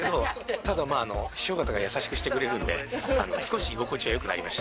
ただまあ、師匠方が優しくしてくれるんで、少し居心地はよくなりました。